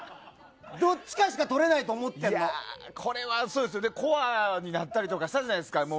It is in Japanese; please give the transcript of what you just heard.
どっちかしか取れないと思ってるこれは、そうですね、コアになったりしたじゃないですか。